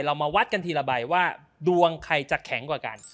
เรามาวัดกันทีละใบว่าดวงใครจะแข็งกว่ากัน